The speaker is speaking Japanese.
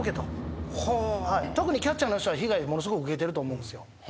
特にキャッチャーの人は被害ものすごく受けてると思う。